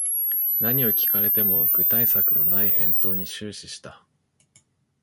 何を聞かれても具体策のない返答に終始した